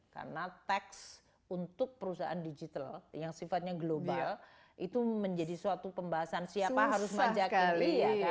karena tax untuk perusahaan digital yang sifatnya global itu menjadi suatu pembahasan siapa harus pajak ini